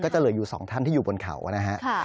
จะเหลืออยู่๒ท่านที่อยู่บนเขานะฮะ